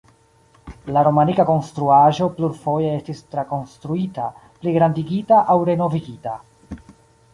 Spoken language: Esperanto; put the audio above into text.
La romanika konstruaĵo plurfoje estis trakonstruita, pligrandigita aŭ renovigita.